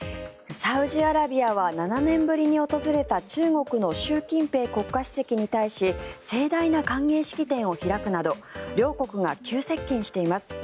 サウジアラビアは７年ぶりに訪れた中国の習近平国家主席に対し盛大な歓迎式典を開くなど両国が急接近しています。